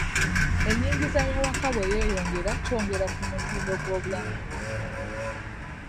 Enyingiza y'awaka bwe yeyongera ky'ongera ku mutindo gw'obulamu ewaka.